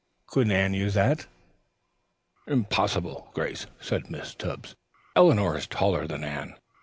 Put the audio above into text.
Couldn't Anne use that?" "Impossible, Grace," said Miss Tebbs. "Eleanor is taller than Anne.